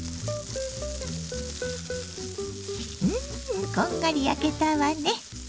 うんこんがり焼けたわね。